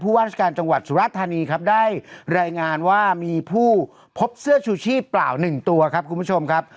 ว่าราชการจังหวัดสุรธานีครับได้รายงานว่ามีผู้พบเสื้อชูชีพเปล่า๑ตัวครับคุณผู้ชมครับ